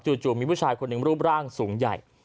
จู่มีผู้ชายคนหนึ่งรูปร่างสูงใหญ่